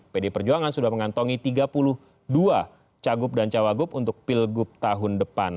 pdi perjuangan sudah mengantongi tiga puluh dua cagup dan cawagup untuk pilgub tahun depan